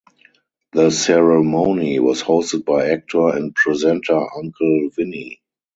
The ceremony was hosted by actor and presenter Uncle Vinny.